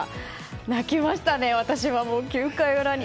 泣きましたね、私はもう９回裏に。